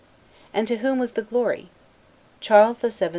And to whom was the glory? Charles VII.